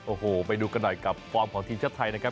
โอ้โหไปดูกันหน่อยกับฟอร์มของทีมชาติไทยนะครับ